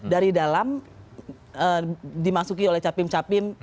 dari dalam dimasuki oleh capim capim